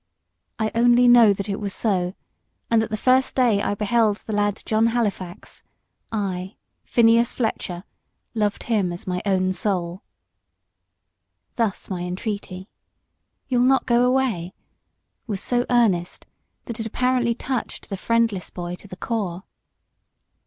I only know that it was so, and that the first day I beheld the lad John Halifax, I, Phineas Fletcher, "loved him as my own soul." Thus, my entreaty, "You'll not go away?" was so earnest, that it apparently touched the friendless boy to the core.